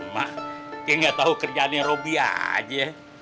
ma gini gak tau kerjaan robi aja